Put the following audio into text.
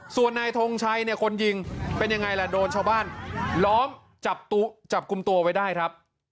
ส่วนนายทงชัยเนี่ยคนยิงเป็นยังไงล่ะโดนชาวบ้านล้อมจับกลุ่มตัวไว้ได้ครับ